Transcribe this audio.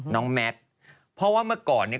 แมทเพราะว่าเมื่อก่อนเนี่ย